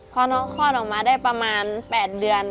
พอน้องคลอดออกมาได้ประมาณ๘เดือน